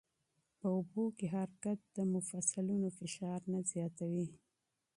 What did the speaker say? په اوبو کې حرکت د مفصلونو فشار نه زیاتوي.